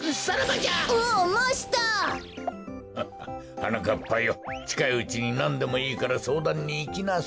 はなかっぱよちかいうちになんでもいいからそうだんにいきなさい。